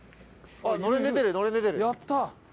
やった。